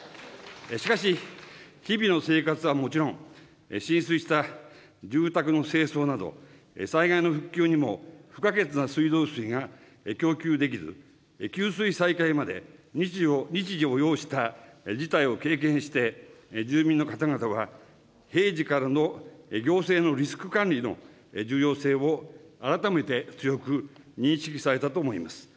しかし、日々の生活はもちろん、浸水した住宅の清掃など、災害の復旧にも不可欠な水道水が供給できず、給水再開まで日時を要した事態を経験して、住民の方々は、平時からの行政のリスク管理の重要性を改めて強く認識されたと思います。